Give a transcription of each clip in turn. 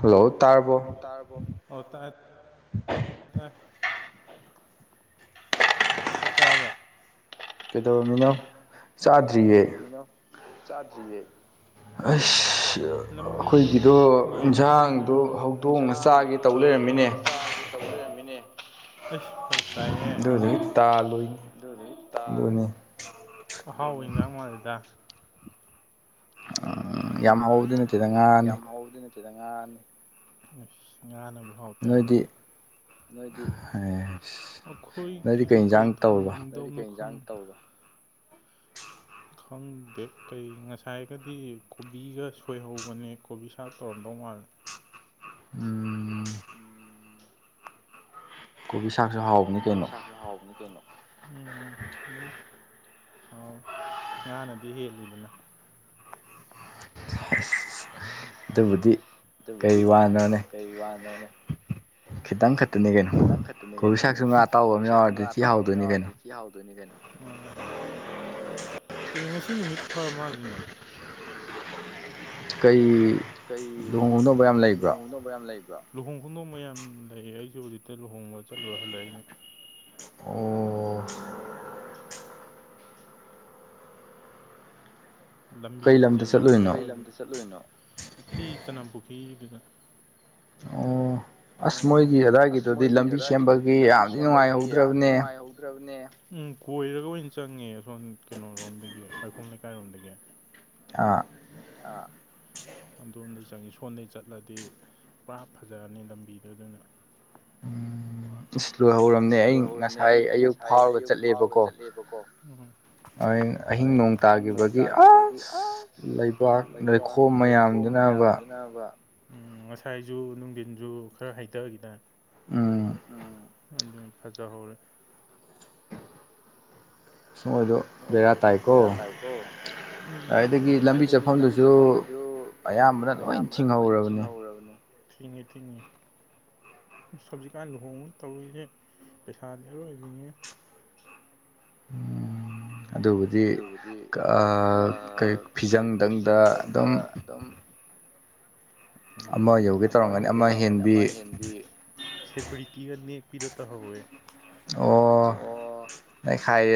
hello ꯇꯥꯔꯕꯣ ꯇꯔꯕꯣ ꯑꯧ ꯇꯥꯏ ꯇꯥꯏ ꯆꯥꯛ ꯆꯥꯔꯕꯣ ꯀꯩꯗꯧꯔꯝꯃꯤꯅꯣ ꯀꯩꯗꯧꯔꯃꯤꯅꯣ ꯆꯥꯗ꯭ꯔꯤꯌꯦ ꯎꯝ ꯂꯝꯕꯤꯁꯨꯝ ꯌꯦꯡ ꯀꯥꯟꯗ ꯑꯩꯈꯣꯏꯒꯤꯗꯨ ꯏꯟꯁꯥꯡ ꯑꯗꯨ ꯍꯧꯗꯣꯡꯅ ꯆꯥꯒꯦ ꯇꯧ ꯂꯩꯔꯝꯃꯤꯅꯦ ꯑꯁ ꯐꯔꯛ ꯇꯥꯏꯌꯦ ꯑꯗꯨꯗꯣ ꯇꯥ ꯂꯩ ꯍꯥꯎꯕ ꯍꯤꯡꯖꯥꯡ ꯃꯥꯜꯂꯤꯗ ꯑ ꯌꯥꯝ ꯍꯥꯎꯕꯗꯤ ꯅꯠꯇꯦꯗ ꯉꯥꯅꯤ ꯉꯥꯅꯕꯨ ꯍꯥꯎꯇꯦ ꯍꯥꯏꯕꯔꯣ ꯅꯣꯏꯗꯤ ꯑꯈꯣꯏꯒꯤꯗꯨ ꯀꯩ ꯊꯣꯉꯝ ꯑꯗꯨ ꯀꯩ ꯏꯟꯖꯥꯡ ꯇꯧꯕ ꯈꯪꯗꯦ ꯀꯩ ꯉꯁꯥꯏꯒꯗꯤ ꯀꯣꯕꯤꯒ ꯁꯣꯏꯍꯧꯕꯅꯦ ꯀꯣꯕꯤ ꯁꯥꯛ ꯇꯧꯔꯝꯗꯧ ꯃꯥꯜꯂꯦ ꯎꯝ ꯀꯣꯕꯤ ꯁꯥꯡꯁꯨ ꯍꯥꯎ ꯀꯣꯕꯤ ꯁꯥꯛꯁꯨ ꯍꯥꯎꯕꯅꯤ ꯀꯩꯅꯣ ꯎꯝ ꯑꯗꯨꯝ ꯍꯥꯎꯋꯦ ꯉꯥꯅꯗꯤ ꯍꯦꯜꯂꯤꯗꯅ ꯑꯗꯨꯕꯨꯗꯤ ꯀꯔꯤ ꯋꯥꯅꯣꯅꯦ ꯈꯤꯇꯪ ꯈꯠꯇꯅꯦ ꯀꯩꯅꯣ ꯀꯣꯕꯤ ꯁꯥꯛꯁꯨ ꯉꯥ ꯑꯇꯥꯎꯕ ꯑꯃ ꯌꯥꯎꯔꯗꯤ ꯌꯥꯎꯗꯣꯏꯅꯤ ꯀꯩꯅꯣ ꯀꯩꯅꯣ ꯃꯅꯤ ꯉꯁꯤ ꯅꯨꯃꯤꯠ ꯐ ꯃꯥꯜꯂꯦꯅꯦ ꯀꯩ ꯂꯨꯍꯣꯡꯗꯧꯕ ꯌꯥꯝ ꯂꯩꯕ꯭ꯔꯣ ꯕ ꯌꯥꯝ ꯂꯩꯕꯔꯣ ꯂꯨꯍꯣꯡ ꯈꯣꯡꯗꯣꯡꯕ ꯌꯥꯝ ꯂꯩ ꯑꯩꯁꯨ ꯍꯧꯖꯤꯛꯇ ꯂꯨꯍꯣꯡꯕ ꯆꯠꯂꯨꯔ ꯍꯜꯂꯛꯏꯅꯦ ꯑꯣ ꯂꯝꯕꯤꯁꯨ ꯆꯤꯜꯍꯧꯋꯦ ꯀꯩ ꯂꯝꯗꯥ ꯆꯠꯂꯨꯏꯅꯣ ꯁꯤ ꯆꯅꯝ ꯄꯨꯈꯤꯒꯤꯗꯨꯗ ꯑꯣ ꯑꯁ ꯃꯣꯏꯒꯤ ꯑꯗꯥꯏꯒꯤꯗꯨꯗꯤ ꯂꯝꯕꯤ ꯁꯦꯝꯕꯒꯤ ꯌꯥꯝꯗꯤ ꯅꯨꯡꯉꯥꯏꯍꯧꯗ꯭ꯔꯕꯅꯦ ꯎꯝ ꯀꯣꯏꯔꯒ ꯑꯣꯏꯅ ꯆꯪꯉꯦ ꯑꯁꯣꯟ ꯀꯩꯅꯣꯔꯣꯝꯗꯒꯤ ꯋꯥꯥꯏꯈꯣꯝ ꯂꯩꯀꯥꯏꯔꯣꯝꯗꯒꯤ ꯑꯥ ꯑꯥ ꯑꯗꯣꯝꯗꯒꯤ ꯆꯪꯉꯤ ꯁꯣꯟꯗꯒꯤ ꯆꯠꯂꯗꯤ ꯄꯨꯔꯥ ꯐꯖꯔꯅꯤ ꯂꯝꯕꯤꯗꯣ ꯑꯗꯨꯅ ꯎꯝ ꯑꯁ ꯂꯣꯢꯍꯧꯔꯝꯅꯦ ꯑꯩ ꯉꯁꯥꯏ ꯑꯌꯨꯛ ꯐꯥꯎꯔꯒ ꯆꯠꯂꯦꯕꯀꯣ ꯎꯝ ꯎꯝ ꯑꯍꯤꯡ ꯅꯣꯡ ꯇꯥꯈꯤꯕꯒꯤ ꯑꯁ ꯂꯩꯕꯥꯛ ꯂꯩꯈꯣꯝ ꯃꯌꯥꯝꯗꯨꯅꯕ ꯉꯁꯥꯏꯁꯨ ꯅꯨꯡꯊꯤꯟꯁꯨ ꯈꯔ ꯍꯩꯇꯈꯤꯗꯥꯏ ꯎꯝ ꯎꯝ ꯑꯗꯨ ꯐꯖꯍꯧꯔꯦ ꯃꯣꯏꯗꯣ ꯕꯦꯔ ꯇꯥꯏꯀꯣ ꯎ ꯑꯗꯨꯒꯤ ꯂꯝꯕꯤ ꯆꯠꯐꯝꯗꯨꯁꯨ ꯑꯌꯥꯝꯕꯅ ꯂꯣꯏ ꯊꯤꯡꯍꯧꯔꯕꯅꯦ ꯊꯤꯡꯉꯤ ꯊꯤꯡꯉꯤ ꯑꯁ ꯍꯧꯖꯤꯛꯀꯥꯟ ꯂꯨꯍꯣꯡꯕ ꯇꯧꯔꯤꯁꯦ ꯄꯩꯁꯥꯗꯤ ꯑꯔꯣꯏꯕꯤꯅꯤꯍꯦ ꯑꯗꯨꯕꯨꯗꯤ ꯑꯥ ꯀꯩ ꯐꯤꯖꯪꯗꯪꯗ ꯑꯗꯨꯝ ꯎꯝ ꯑꯃ ꯌꯧꯒꯦ ꯇꯧꯔꯝꯒꯅꯤ ꯑꯃ ꯍꯦꯟꯕꯤ ꯁꯦꯀꯨꯔꯤꯇꯤꯒ ꯅꯦꯛꯄꯤꯗꯣ ꯇꯧꯍꯧꯋꯦ ꯑꯣ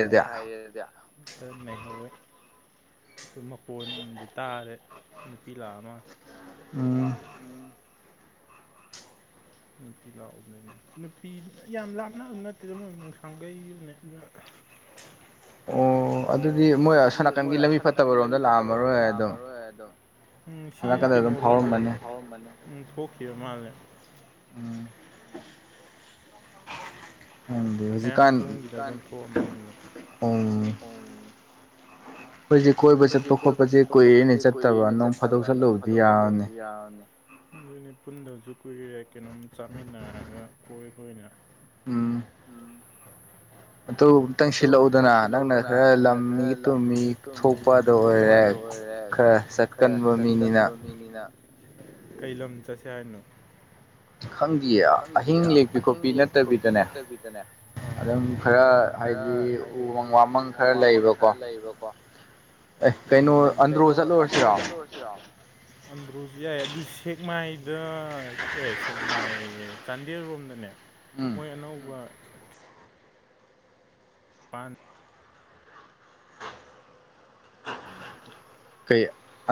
ꯅꯩꯈꯥꯏꯌꯦꯗꯤ ꯈꯔ ꯅꯩꯍꯧꯋꯦ ꯇꯨ ꯃꯀꯣꯟꯕꯨ ꯇꯥꯔꯦ ꯅꯨꯄꯤ ꯂꯥꯛꯑ ꯃꯥꯜꯂꯦ ꯎꯝ ꯅꯨꯄꯤ ꯂꯥꯛꯎꯗꯣꯏꯅꯦ ꯅꯨꯄꯤ ꯌꯥꯝ ꯂꯥꯞꯅꯕ ꯅꯠꯇꯦꯗ ꯃꯣꯏ ꯃꯣꯡꯁꯥꯡꯒꯩꯒꯤꯗꯨꯅꯦ ꯑꯗꯨꯅ ꯑꯣ ꯑꯗꯨꯗꯤ ꯃꯣꯏ ꯑꯁꯣꯅꯥꯀꯟꯒꯤ ꯂꯝꯕꯤ ꯐꯠꯇꯕꯔꯣꯝꯗ ꯂꯥꯛꯑꯝꯃꯔꯣꯏ ꯑꯗꯣ ꯎꯝ ꯁꯤ ꯀꯩꯅꯣꯝꯗ ꯐꯥꯎꯔꯝꯕꯅꯦ ꯎꯝ ꯊꯣꯛꯈꯤꯕ ꯃꯥꯜꯂꯦ ꯎꯝ ꯗꯤ ꯍꯧꯖꯤꯛꯀꯥꯟ ꯑꯣ [unintelligible] ꯑꯩꯈꯣꯏꯖꯤꯛ ꯀꯣꯏꯕ ꯆꯠꯄ ꯈꯣꯠꯄꯁꯦ ꯀꯨꯏꯔꯦꯅꯦ ꯆꯠꯇꯕ ꯅꯣꯡ ꯐꯥꯗꯣꯛ ꯆꯠꯂꯨꯕꯗꯤ ꯌꯥꯔꯅꯤ ꯑꯗꯨꯅꯤ ꯄꯨꯟꯗꯕꯁꯨ ꯀꯨꯏꯔꯦ ꯀꯩꯅꯣꯝ ꯆꯥꯃꯤꯟꯅꯔꯒ ꯀꯣꯏ ꯀꯣꯏꯅ ꯎꯝ ꯑꯗꯨ ꯈꯤꯇꯪ ꯁꯤꯜꯂꯛꯎꯗꯅ ꯅꯪꯅ ꯈꯔ ꯂꯝ ꯃꯤꯒꯤ ꯇꯨꯝ ꯃꯤ ꯊꯣꯛꯄꯗ ꯑꯣꯏꯔꯦ ꯈꯔ ꯁꯠꯀꯟꯕ ꯃꯤꯅꯤꯅ ꯀꯩ ꯂꯝ ꯆꯠꯁꯦ ꯍꯥꯏꯅꯣ ꯈꯪꯗꯤꯌꯦ ꯑꯍꯤꯡ ꯂꯦꯡꯄꯤ ꯈꯣꯠꯄꯤ ꯅꯠꯇꯕꯤꯗꯅꯦ ꯑꯗꯨꯝ ꯈꯔ ꯍꯥꯏꯗꯤ ꯎꯃꯪ ꯋꯥꯃꯪ ꯈꯔ ꯂꯩꯕꯀꯣ ꯀꯩꯅꯩꯅꯣ ꯑꯟꯗꯔꯣ ꯆꯠꯂꯨꯁꯤꯔꯣ ꯑꯟꯗ꯭ꯔꯣꯁꯨ ꯌꯥꯏ ꯑꯗꯨ ꯁꯦꯛꯃꯥꯏꯗ ꯑꯦ ꯁꯦꯛꯃꯥꯏ ꯆꯥꯟꯗꯦꯜꯔꯣꯝꯗꯅꯦ ꯃꯣꯏ ꯑꯅꯧꯕ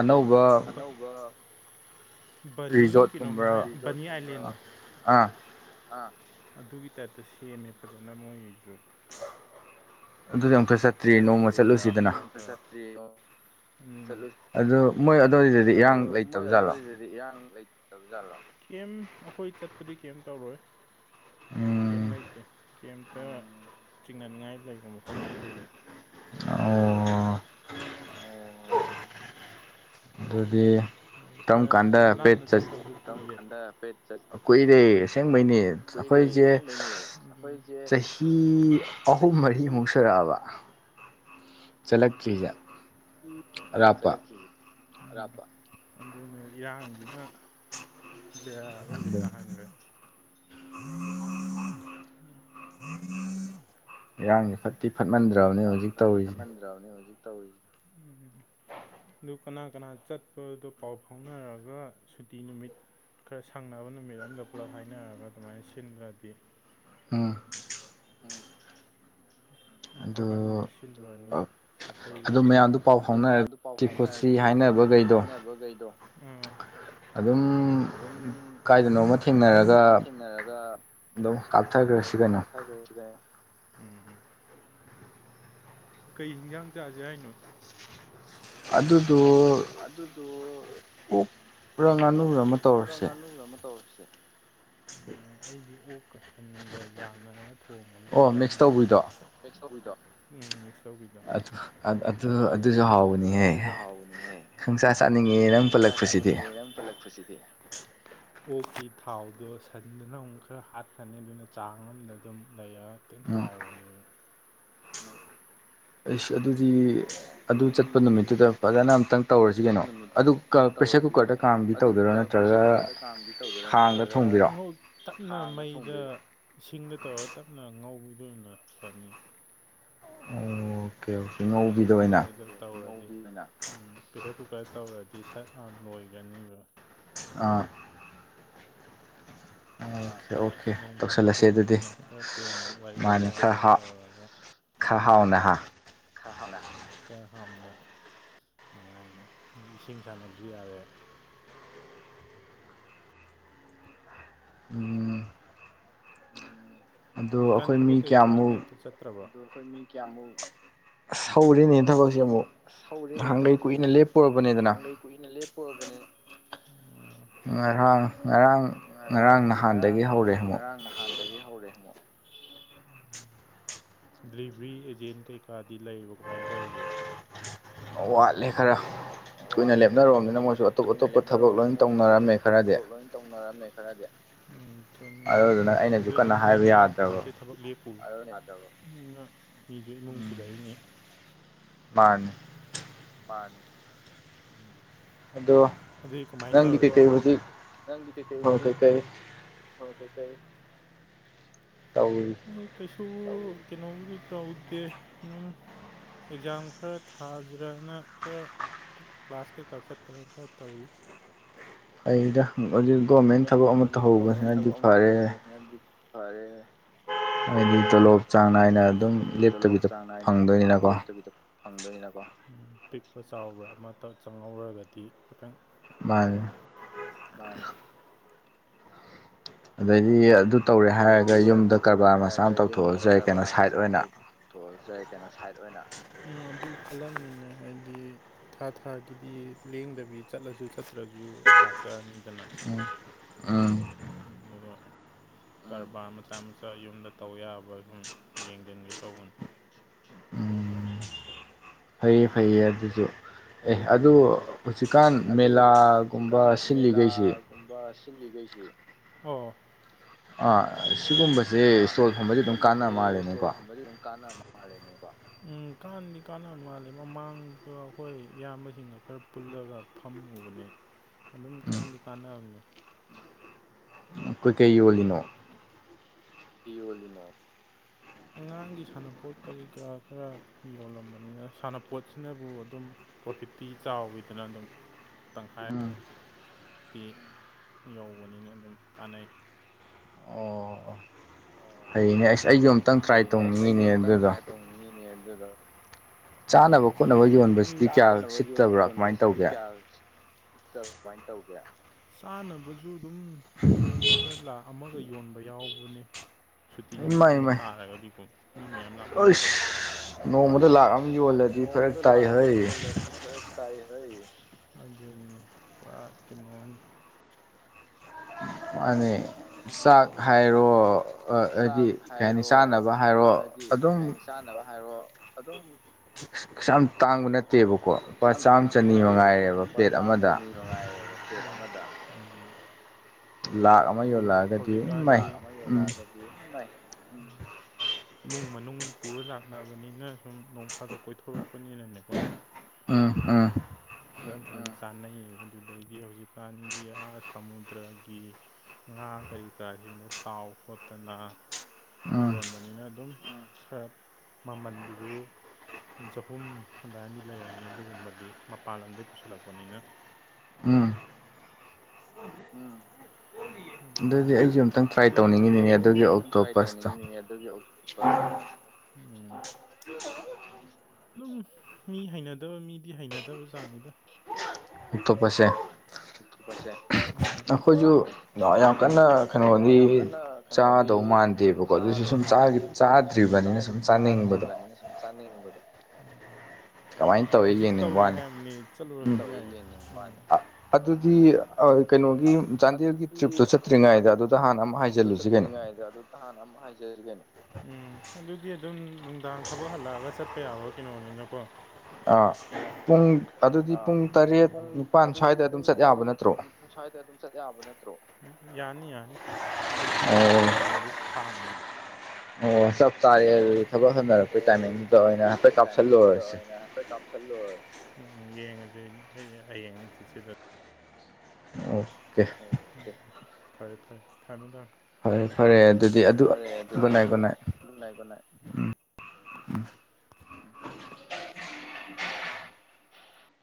ꯀꯩ ꯑꯅꯧꯕ ꯕꯟꯅꯤ ꯀꯩꯅꯣꯝ ꯍꯥꯏ ꯅꯤ ꯑꯥꯏꯂꯦꯟ ꯑꯥ ꯑꯗꯨꯒꯤ ꯇꯥꯏꯞꯇ ꯁꯦꯝꯃꯦ ꯐꯖꯅ ꯃꯣꯏꯒꯤꯁꯨ ꯑꯗꯨꯗꯤ ꯑꯃꯇ ꯆꯠꯇꯔꯤ ꯍꯠ ꯀꯔꯤ ꯀ꯭ꯔ ꯑꯗꯨ ꯃꯣꯏ ꯑꯗꯨꯋꯥꯏꯗꯗꯤ ꯏꯔꯥꯡ ꯂꯩꯇꯕ ꯖꯥꯠꯂꯣ ꯏꯔꯥꯡ ꯂꯩꯇꯕ ꯖꯥꯠꯂ ꯀꯦꯝ ꯑꯩꯈꯣꯏ ꯆꯠꯄꯗꯤ ꯀꯦꯝ ꯇꯧꯔꯣꯏ ꯀꯦꯝ ꯂꯩꯇꯦ ꯀꯦꯝꯇ ꯆꯤꯡꯅꯅꯤꯡꯉꯥꯏ ꯂꯩꯕ ꯃꯐꯝ ꯅꯠꯇꯦꯕ ꯑꯣ ꯑꯣ ꯑꯗꯨꯗꯤ ꯇꯔꯝ ꯀꯥꯟꯗ ꯄꯦꯠ ꯀꯨꯏꯔꯦ ꯑꯁꯦꯡꯕꯩꯅꯦ ꯑꯩꯈꯣꯏꯁꯦ ꯆꯍꯤ ꯑꯍꯨꯝ ꯃꯔꯤꯃꯨꯛ ꯁꯨꯔꯛꯑꯕ ꯆꯂꯦꯛ ꯆꯖ ꯆꯠꯂꯛꯈꯤ ꯑꯔꯥꯞꯄ ꯑꯗꯨꯅ ꯏꯔꯥꯡꯁꯤꯅ ꯕ ꯑꯣꯏꯗꯤ ꯇꯍꯟ꯭ꯔꯦ ꯏꯔꯥꯡꯁꯦ ꯐꯠꯇꯤ ꯐꯠꯃꯟꯗ꯭ꯔꯕꯅꯦ ꯍꯧꯖꯤꯛ ꯇꯧꯔꯤꯁꯦ ꯐꯖꯕꯅꯦ ꯍꯧꯖꯤꯛ ꯇꯧꯔꯤꯁꯦ ꯎ ꯑꯗꯨ ꯀꯅꯥ ꯀꯅꯥ ꯆꯠꯄꯗꯣ ꯄꯥꯎ ꯐꯥꯎꯅꯔꯒ ꯁꯨꯇꯤ ꯅꯨꯃꯤꯠ ꯈꯔ ꯁꯪꯅꯕ ꯅꯨꯃꯤꯠ ꯑꯝꯗ ꯄꯨꯜꯂꯞ ꯍꯥꯏꯅꯔꯒ ꯑꯗꯨꯃꯥꯏꯅ ꯁꯤꯟꯗ꯭ꯔꯗꯤ ꯑꯝ ꯍ ꯑꯩꯀꯣꯏꯕꯥꯅꯤꯅ ꯁꯤꯜꯂꯔꯅꯤ ꯑꯇꯩꯁꯤꯡꯗ ꯑ ꯃꯌꯥꯝꯗ ꯄꯥꯎ ꯐꯥꯎꯅꯔꯛꯁꯤ ꯄꯣꯠꯁꯤ ꯍꯥꯏꯅꯕ ꯒꯥꯩꯗꯣ ꯑꯗꯨꯝ ꯀꯥꯏꯗꯅꯣꯃ ꯊꯦꯡꯅꯔꯒ ꯊꯒꯔꯒ ꯀꯩ ꯍꯤꯟꯖꯥꯡ ꯆꯥꯁꯦ ꯍꯥꯏꯅꯣ ꯑꯗꯨꯗꯨ ꯑꯗꯨꯗ ꯑꯣꯛꯄꯔ ꯉꯥꯅ ꯑꯃ ꯇꯧꯔꯁꯦ ꯑꯗꯨꯒ ꯑꯃ ꯇꯧꯔꯁꯦ ꯌꯥꯏ ꯑꯩꯗꯤ ꯑꯣꯛꯀ ꯁꯟꯒ ꯌꯥꯅꯔꯒ ꯊꯣꯡꯕ ꯑꯗꯨꯝ ꯆꯥꯅꯤꯡꯉꯛꯏ ꯑꯦꯁꯣ ꯀꯨꯏꯗ ꯎꯝ ꯃꯤꯛꯁ ꯇꯧꯕꯤꯗꯣ ꯑꯗꯨꯁꯨ ꯍꯥꯎꯕꯅꯤꯍꯦ ꯈꯪꯆꯥꯥ ꯆꯥꯅꯤꯡꯉꯦ ꯅꯪ ꯄꯜꯂꯛꯄꯁꯤꯗꯤ ꯃꯤꯔꯪ ꯄꯜꯂꯛꯄꯁꯤꯗꯤ ꯑꯣꯛꯀꯤ ꯊꯥꯎꯗꯣ ꯁꯟꯗꯅ ꯑꯃꯨꯛ ꯈꯔ ꯍꯥꯠꯈ꯭ꯔꯅꯤ ꯑꯗꯨꯅ ꯆꯥꯡ ꯑꯃꯗ ꯑꯗꯨꯝ ꯂꯩꯔ ꯃꯇꯇꯅ ꯍꯥꯎꯕꯅꯤ ꯎ ꯑꯩꯁ ꯑꯗꯨꯗꯤ ꯑꯗꯨ ꯆꯠꯄ ꯅꯨꯃꯤꯠꯇꯨꯗ ꯐꯖꯅ ꯑꯝꯇꯪ ꯇꯧꯔꯁꯤ ꯀꯩꯅꯣ ꯑꯗꯨ ꯄ꯭ꯔꯦꯁꯔ ꯀꯨꯀꯔꯗ ꯀꯥꯝꯗꯤ ꯇꯧꯗꯣꯏꯔꯣ ꯅꯠꯇ꯭ꯔꯒ ꯈꯥꯡꯗ ꯊꯣꯡꯕꯤꯔꯣ ꯇꯞꯅ ꯃꯩꯗ ꯏꯁꯤꯡꯗ ꯇꯧꯔꯒ ꯇꯞꯅ ꯉꯧꯕꯗꯨꯅ ꯐꯅꯤ ꯄꯦꯁꯔ ꯀꯨꯀꯔ ꯇꯧꯔꯅꯤ ꯎ ꯄ꯭ꯔꯦꯁꯔ ꯀꯨꯀꯔ ꯇꯧꯔꯗꯤ ꯁꯠ ꯂꯣꯏꯒꯅꯤꯕ ꯑꯥ ꯑꯣꯀꯦ ꯑꯣꯀꯦ ꯇꯧꯁꯜꯂꯁꯦ ꯑꯗꯨꯗꯤ ꯃꯥꯅꯦ ꯈꯔ ꯍꯥꯞ ꯈꯍꯥꯎꯅꯍ ꯈꯥ ꯍ ꯈꯍꯥꯅ ꯑꯗꯨꯃꯥꯏꯅ ꯏꯁꯤꯡ ꯁꯥꯟꯅꯕꯁꯨ ꯌꯥꯔꯦ ꯎꯝ ꯍꯧꯖꯤꯛꯀꯥꯟ ꯊꯕꯛ ꯀꯩꯀꯥꯗꯤ ꯑꯇ ꯆꯠꯇ꯭ꯔꯕ ꯑꯁ ꯍꯧꯔꯤꯅꯦ ꯊꯕꯛꯁꯦ ꯑꯃꯨꯛ ꯅꯍꯥꯟꯒꯩ ꯀꯨꯏꯅ ꯂꯦꯞꯄꯨꯔꯕꯅꯤꯗꯅ ꯀꯨꯏꯅ ꯂꯦꯞꯄꯨꯔꯕꯅꯤ ꯉꯔꯥꯡ ꯉꯔꯥꯡ ꯉꯔꯥꯡ ꯉꯔꯥꯡ ꯉꯔꯥꯡ ꯅꯍꯥꯟꯗꯒꯤ ꯍꯧꯔꯦ ꯑꯃꯨꯛ ꯗꯤꯂꯤꯕ꯭ꯔꯤ ꯑꯦꯖꯦꯟ ꯀꯩꯀꯥꯗꯤ ꯂꯩꯔꯤꯕꯣ ꯀꯃꯥꯏꯅ ꯇꯧꯔꯤꯒꯦ ꯋꯥꯠꯂꯦ ꯈꯔ ꯀꯨꯏꯅ ꯂꯦꯞꯅꯔꯨꯔꯥꯕꯅꯤꯅ ꯃꯣꯏꯁꯨ ꯑꯇꯣꯞ ꯑꯇꯣꯞꯄ ꯊꯕꯛ ꯂꯣꯏ ꯇꯧꯅꯔꯝꯃꯦ ꯈꯔꯗꯤ ꯎꯝ ꯆꯝꯃꯤꯅꯦ ꯍꯥꯏꯗꯤ ꯑꯗꯨꯗ ꯑꯗꯨꯝ ꯂꯩ ꯌꯥꯄꯣꯟꯇꯦ ꯊꯕꯛ ꯂꯦꯞ [unintelligible] ꯑꯗꯨꯅ ꯃꯤꯖꯨ ꯏꯃꯨꯡ ꯄꯨꯔꯛꯏꯅꯤ ꯃꯥꯟꯅꯤ ꯃꯥꯟꯅꯤ ꯑꯗꯣ ꯑꯗꯨꯗꯤ ꯀꯃꯥꯏꯅ ꯇꯧꯔꯒꯦ ꯅꯪꯗꯤ ꯀꯩꯀꯩ ꯍꯧꯖꯤꯛ ꯑꯥ ꯀꯩꯀꯩ ꯇꯧꯔꯤ ꯑꯩ ꯀꯩꯁꯨ ꯀꯩꯅꯣꯕꯨꯗꯤ ꯇꯧꯗꯦ ꯑꯦꯛꯖꯥꯝ ꯈꯔ ꯊꯥꯖꯤꯔꯥꯅ ꯈꯔ ꯀ꯭ꯂꯥꯁ ꯀꯩꯥꯀꯥ ꯆꯠꯇꯥꯅ ꯈꯔ ꯇꯧꯔꯤ ꯑꯩꯗ ꯍꯧꯖꯤꯛ ꯒꯣꯔꯃꯦꯟ ꯊꯕꯛ ꯑꯃ ꯇꯧꯍꯧꯕꯁꯤꯅꯗꯤ ꯐꯔꯦ [unintelligible] ꯐꯥꯔꯦꯅꯦ ꯎꯝ ꯍꯥꯏꯗꯤ ꯇꯣꯂꯣꯞ ꯆꯥꯡ ꯅꯥꯏꯅ ꯑꯗꯨꯝ ꯂꯦꯞꯇꯕꯤꯗꯥ ꯐꯪꯗꯣꯏꯅꯤꯅꯀꯣ ꯄꯤꯛꯄ ꯆꯥꯎꯕ꯭ꯔꯥ ꯑꯃꯥꯇ ꯆꯪꯍꯧꯔꯒꯗꯤ ꯈꯤꯇꯪ ꯃꯥꯅꯦ [unintelligible] ꯑꯗꯩꯗꯤ ꯑꯗꯨ ꯇꯧꯔꯦ ꯍꯥꯏꯔꯒ ꯌꯨꯝꯗꯥ ꯀꯔꯕꯥꯔ ꯃꯆꯥ ꯑꯃ ꯇꯧꯊꯣꯛꯑꯖꯨ ꯌꯥꯏ ꯀꯩꯅꯣ ꯁꯥꯏꯠ ꯑꯣꯏꯅ ꯊꯣꯛꯑꯖꯨ ꯌꯥꯏ ꯀꯩꯅꯣ ꯁꯥꯏꯠ ꯑꯣꯏꯅ ꯎꯝ ꯑꯗꯨ ꯈꯜꯂꯝꯃꯤꯅꯦ ꯍꯥꯏꯗꯤ ꯊꯥ ꯊꯥꯒꯤꯗꯤ ꯂꯦꯡꯗꯕꯤ ꯆꯠꯂꯁꯨ ꯆꯠꯇ꯭ꯔꯖꯨ ꯂꯥꯛꯆꯥꯔꯅꯤꯗꯅ ꯎꯝ [unintelligible] ꯀꯔꯕꯥꯔ ꯃꯆꯥ ꯃꯆꯥ ꯌꯨꯝꯗ ꯇꯧꯕ ꯌꯥꯕ ꯁꯨꯝ ꯌꯦꯡꯖꯤꯟꯒꯦ ꯇꯧꯕꯅꯤ ꯐꯩꯌꯦ ꯐꯩꯌꯦ ꯑꯗꯨꯖꯨ ꯑꯦ ꯑꯗꯨ ꯍꯧꯖꯤꯛꯀꯥꯟ ꯃꯦꯂꯥꯒꯨꯝꯕ ꯁꯤꯜꯂꯤꯒꯩꯖꯦ ꯀꯨꯝꯕ ꯁꯤꯟꯂꯤꯒꯩꯖꯦ ꯑꯣ ꯑꯥ ꯁꯤꯒꯨꯝꯕ ꯑꯥ ꯁꯤꯒꯨꯝꯕꯁꯦ ꯁ꯭ꯇꯣꯜ ꯐꯝꯕꯖꯦ ꯑꯗꯨꯝ ꯀꯥꯟꯅꯕ ꯃꯥꯜꯂꯤꯅꯦꯀꯣ ꯎꯝ ꯀꯥꯟꯗꯤ ꯀꯥꯟꯅꯕ ꯃꯥꯜꯂꯦ ꯃꯃꯥꯡꯗꯥ ꯑꯩꯈꯣꯏ ꯏꯌꯥꯝꯕꯁꯤꯡꯅ ꯈꯔ ꯄꯨꯜꯂꯒ ꯐꯝꯃꯨꯕꯅꯦ ꯑꯗꯨꯝ ꯀꯥꯟꯗꯤ ꯀꯥꯟꯅꯕꯅꯦ ꯀꯣ ꯀꯩ ꯌꯣꯜꯂꯤꯅꯣ ꯀꯤ ꯌꯣꯜꯂꯤꯅꯣ ꯑꯉꯥꯡꯒꯤ ꯁꯥꯟꯅꯄꯣꯠ ꯀꯔꯤ ꯀꯔꯥ ꯈꯔ ꯌꯣꯜꯂꯝꯕꯅꯤꯅ ꯁꯥꯟꯅꯄꯣꯠꯁꯤꯅꯕꯨ ꯑꯗꯨꯝ ꯄ꯭ꯔꯣꯐꯤꯠꯇꯤ ꯆꯥꯎꯋꯤꯗꯅ ꯑꯗꯨꯝ ꯇꯪꯈꯥꯏ ꯇꯤ ꯌꯧꯕꯅꯤꯅ ꯑꯗꯨꯝ ꯀꯥꯟꯅꯩ ꯑꯣ ꯐꯩꯅꯦ ꯑꯁ ꯑꯩꯖꯨ ꯑꯝꯇꯪ ꯇ꯭ꯔꯥꯏ ꯇꯧꯅꯤꯡꯉꯤꯅꯦ ꯑꯗꯨꯗꯣ ꯇꯧꯅꯤꯉꯤꯅꯦ ꯑꯗꯨꯗꯣ ꯎꯝ ꯆꯥ ꯈꯣꯠꯅꯕ ꯌꯣꯟꯕꯁꯤꯗꯤ ꯀꯥꯌꯥ [unintelligible] ꯀꯃꯥꯏꯅ ꯇꯧꯒꯦ ꯆꯥꯅꯕꯖꯨ ꯑꯗꯨꯝ ꯅꯣꯡꯃꯗꯥ ꯂꯥꯛ ꯑꯃꯒ ꯌꯣꯟꯕ ꯌꯥꯎꯕꯅꯤ ꯁꯨꯇꯤ ꯅꯨꯃꯤꯠꯀꯨꯝꯕ ꯇꯥꯔꯒꯗꯤꯀꯣ ꯃꯤ ꯃꯌꯥꯝ ꯂꯥꯛꯅꯕꯗꯣ ꯑꯣꯏꯁ ꯅꯣꯡꯃꯗ ꯂꯥꯛ ꯑꯃ ꯌꯣꯜꯂꯗꯤ ꯐꯔꯛ ꯇꯥꯏ ꯍꯦ ꯑꯗꯨꯅꯤ ꯄꯨꯔꯥ ꯀꯩꯅꯣꯝꯅꯤ ꯃꯥꯅꯦ ꯆꯥꯛ ꯍꯥꯏꯔꯣ ꯍꯥꯏꯗꯤ ꯀꯩ ꯍꯥꯏꯅꯤ ꯆꯥꯅꯕ ꯍꯥꯏꯔꯣ ꯑꯗꯨꯝ ꯆꯥꯅꯕ ꯍꯥꯏꯔꯣ ꯑꯗꯨꯝ ꯀꯩꯁꯥ ꯌꯥꯝ ꯇꯥꯡꯕ ꯅꯠꯇꯦꯕꯀꯣ ꯂꯨꯄꯥ ꯆꯥꯝꯃ ꯆꯅꯤ ꯃꯉꯥꯏꯔꯦꯕ ꯄ꯭ꯂꯦꯠ ꯑꯃꯗ ꯅꯨꯡꯉꯥꯏꯌꯦꯕ ꯄ꯭ꯂꯦꯠ ꯑꯃꯗ ꯎꯝ ꯑꯗꯨ ꯍꯧꯖꯤꯛꯀꯥꯟ ꯂ ꯑꯃ ꯌꯣꯜꯂꯛꯑꯒꯗꯤ ꯃꯥꯏ ꯎꯝ ꯏꯃꯨꯡ ꯃꯅꯨꯡ ꯄꯨꯔ ꯂꯥꯛꯅꯕꯅꯤꯅ ꯁꯨꯝ ꯅꯣꯡ ꯐꯥꯗꯣꯛ ꯀꯣꯏꯊꯣꯔꯛꯄꯅꯤꯅꯅꯦꯀꯣ [unintelligible] [unintelligible] ꯆꯥꯅꯩꯌꯦꯕ ꯑꯗꯨꯗꯒꯤ ꯍꯧꯖꯤꯛꯀꯥꯟꯒꯤ ꯑꯥ ꯁꯃꯨꯗ꯭ꯔꯒꯤ ꯉꯥ ꯀꯔꯤ ꯀꯔꯥꯁꯤꯡꯗꯣ ꯇꯥꯎ ꯈꯣꯠꯇꯅ ꯌꯣꯟꯕꯅꯤꯅ ꯑꯗꯨꯝ ꯈꯔ ꯃꯃꯟꯗꯨꯁꯨ ꯆꯍꯨꯝ ꯍꯟꯗꯥꯏꯥꯟꯗꯤ ꯂꯩꯔꯅꯤ ꯑꯗꯨꯒꯨꯝꯕꯗꯤ ꯃꯄꯥꯟ ꯂꯝꯗꯩꯩ ꯄꯨꯁꯤꯜꯂꯛꯄꯅꯤꯅ ꯎꯝ ꯎꯝ ꯑꯗꯨꯒꯨꯝꯕꯅꯤ ꯑꯗꯨꯅꯕꯨ [unintelligible] ꯇ꯭ꯔꯥꯏ ꯇꯧꯅꯤꯡꯉꯤ [unintelligible] [unintelligible] ꯑꯗꯨꯝ ꯃꯤ ꯍꯩꯅꯗꯕ ꯃꯤꯗꯤ ꯍꯩꯅꯗꯕ ꯖꯥꯠꯅꯤꯗ ꯑꯣꯇꯣꯞꯄꯁꯦ ꯑꯣꯇꯣꯞꯄꯁꯦ ꯎꯝ ꯑꯩꯈꯣꯏꯁꯨ ꯌꯥꯝ ꯀꯟꯅ ꯀꯩꯅꯣꯗꯤ ꯆꯥꯗꯧ ꯃꯥꯟꯗꯦꯕꯀꯣ ꯑꯗꯨꯁꯨ ꯁꯨꯝ ꯆꯥꯗ꯭ꯔꯤꯕꯅꯤꯅ ꯁꯨꯝ ꯆꯥꯅꯤꯡꯕꯗꯣ ꯀꯃꯥꯏꯅ ꯇꯧꯋꯤ ꯌꯦꯡꯅꯤꯡꯕ ꯋꯥꯅꯤ ꯎꯝ ꯑꯗꯨꯗꯤ ꯀꯩꯅꯣꯒꯤ ꯆꯥꯟꯗꯦꯜꯒꯤ ꯇ꯭ꯔꯤꯞꯇꯨ ꯆꯠꯇ꯭ꯔꯤꯉꯩꯗ ꯑꯗꯨꯗ ꯍꯥꯟꯅ ꯑꯃꯛ ꯍꯥꯏꯖꯜꯂꯨꯁꯤ ꯀꯩꯅꯣ ꯑꯥꯟꯅ ꯑꯃ ꯍꯥꯏꯖ [unintelligible] ꯎꯝ ꯑꯗꯨꯗꯤ ꯑꯗꯨꯝ ꯅꯨꯡꯗꯥꯡ ꯊꯕꯛ ꯍꯜꯂꯛꯑꯒ ꯆꯠꯄ ꯌꯥꯕ ꯀꯩꯅꯣꯅꯤꯅꯀꯣ ꯑꯥ ꯄꯨꯡ ꯑꯗꯨꯗꯤ ꯄꯨꯡ ꯇꯔꯦꯠ ꯅꯤꯄꯥꯥꯟ ꯁ꯭ꯋꯥꯏꯗ ꯑꯗꯨꯝ ꯆꯠ ꯌꯥꯕ ꯅꯠꯇ꯭ꯔꯣ ꯑꯁ꯭ꯋꯥꯏꯗ ꯑꯗꯨꯝ ꯆꯠ ꯌꯥꯕ ꯅꯠꯇ꯭ꯔꯣ ꯌꯥꯅꯤ ꯌꯥꯅꯤ ꯑꯗꯨꯝ ꯄꯨꯡ ꯃꯥꯄꯜꯃꯨ ꯍꯥꯡꯒꯅꯤ ꯑꯣ ꯆꯞ ꯆꯥꯔꯦ ꯑꯗꯨꯗꯤ ꯊꯕꯛ ꯍꯟꯅ ꯄꯩꯅꯔꯛꯄꯩ ꯇꯥꯏꯃꯤꯡꯗꯨꯗ ꯑꯣꯏꯅ ꯍꯟꯐꯛ ꯀꯥꯞꯁꯤꯜꯂꯨꯔꯁꯤ [unintelligible] ꯍꯜꯂꯨꯔꯁꯤ ꯎꯝ ꯌꯦꯡꯉꯁꯦ ꯍꯌꯦꯡ ꯍꯌꯦꯡ ꯅꯍꯅꯁꯤꯠꯁꯤꯗ ꯑꯣ ꯑꯣ ꯐꯔꯦ ꯐꯔꯦ ꯊꯝꯃꯦ ꯊꯝ ꯔꯦ ꯑꯗꯨꯗꯤ ꯑꯗꯨ ꯏ ꯏ